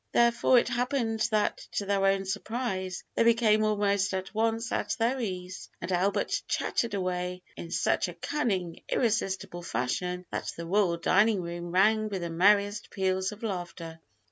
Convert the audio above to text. Therefore it happened that to their own surprise they became almost at once at their ease, and Albert chattered away in such a cunning, irresistible fashion that the royal dining room rang with the merriest peals of laughter.